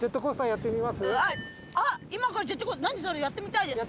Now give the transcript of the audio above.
やってみたいです。